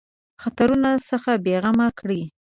خطرونو څخه بېغمه کړي.